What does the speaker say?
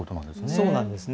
そうなんですね。